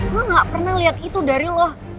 gue gak pernah lihat itu dari lo